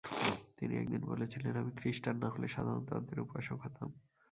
তিনি একদিন বলেছিলেন, "আমি খ্রিস্টান না হলে সাধারণ তন্ত্রের উপাসক হতাম।